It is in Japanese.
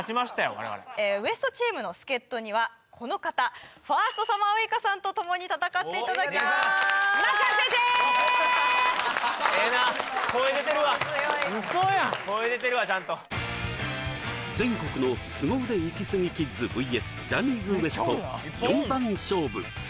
我々ＷＥＳＴチームの助っ人にはこの方ファーストサマーウイカさんとともに戦っていただきますええな声出てるわ嘘やん声出てるわちゃんと全国のすご腕イキスギキッズＶＳジャニーズＷＥＳＴ４番勝負